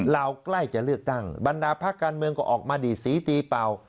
ใกล้จะเลือกตั้งบรรดาภาคการเมืองก็ออกมาดีดสีตีเป่า